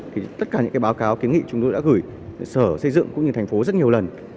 thì tất cả những cái báo cáo kiến nghị chúng tôi đã gửi sở xây dựng cũng như thành phố rất nhiều lần